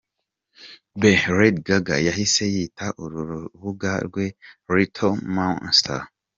be, Lady Gaga yahise yita uru rubuga rwe, Littlemonsters.